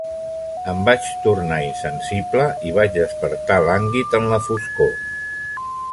Em vaig tornar insensible i vaig despertar lànguid en la foscor.